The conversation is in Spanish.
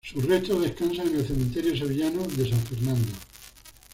Sus restos descansan en el cementerio sevillano de San Fernando.